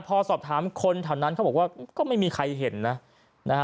พอสอบถามคนแถวนั้นเขาบอกว่าก็ไม่มีใครเห็นนะนะฮะ